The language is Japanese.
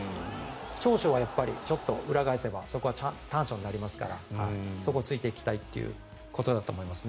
長所は、裏返せばそこは短所になりますからそこを突いていきたいということだと思います。